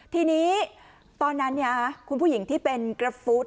ทีนี้ตอนนั้นคุณผู้หญิงที่เป็นกราฟฟู้ด